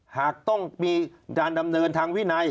หากต้องมีการดำเนินทางวินัย